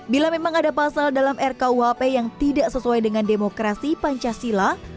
bila memang ada pasal dalam rkuhp yang tidak sesuai dengan demokrasi pancasila